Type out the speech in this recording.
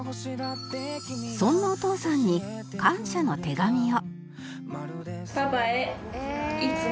そんなお父さんに感謝の手紙を